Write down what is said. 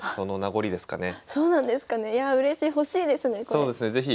そうですね是非。